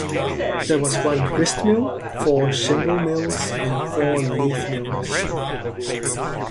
There was one gristmill, four shingle mills and four lath mills.